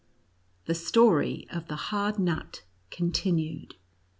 67 THE STORY OF THE HARD NUT CONTINUED.